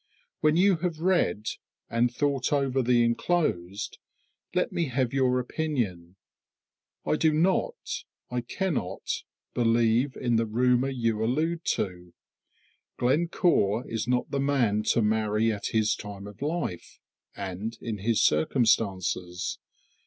When you have read, and thought over the enclosed, let me have your opinion. I do not, I cannot, believe in the rumor you allude to. Glencore is not the man to marry at his time of life, and in his circumstances.